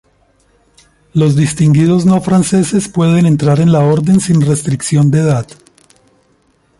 Los distinguidos no franceses pueden entrar en la Orden sin restricción de edad.